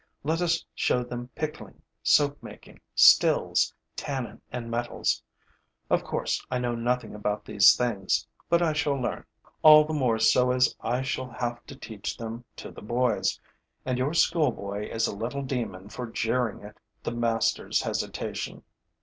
Let us show them pickling, soap making, stills, tannin and metals. Of course, I know nothing about these things, but I shall learn, all the more so as I shall have to teach them to the boys; and your schoolboy is a little demon for jeering at the master's hesitation.